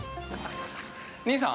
兄さん？